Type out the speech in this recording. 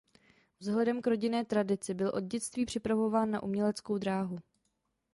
Vzhledem k rodinné tradici byl od dětství připravován na uměleckou dráhu.